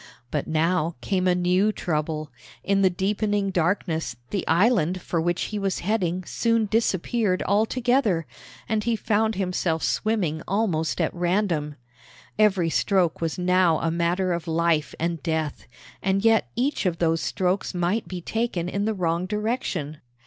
But now came a new trouble. In the deepening darkness the island for which he was heading soon disappeared altogether, and he found himself swimming almost at random. Every stroke was now a matter of life and death, and yet each of those strokes might be taken in the wrong direction.